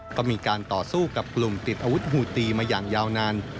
ก็มีการต่อสู้กับกลุ่มติดอาวุธหูตีมาอย่างยาวนาน